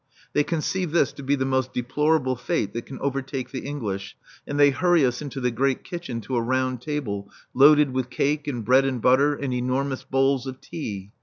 They conceive this to be the most deplorable fate that can overtake the English, and they hurry us into the great kitchen to a round table, loaded with cake and bread and butter and enormous bowls of tea.